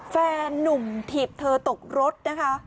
แฟนนุ่มถีบเธอตกรถนะคะ